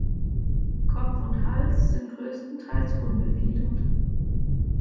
Kopf und Hals sind größtenteils unbefiedert.